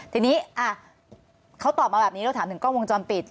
ทีนี้เขาตอบมาแบบนี้เราถามถึงกล้องวงจรปิด